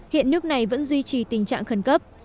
hiện nước này vẫn duy trì tình trạng khẩn cấp